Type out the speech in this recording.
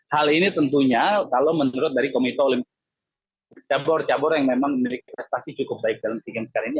hal ini tentunya kalau menurut dari komite olimpia cabur cabur yang memang memiliki prestasi cukup baik dalam sea games kali ini